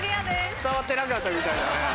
伝わってなかったみたいだね。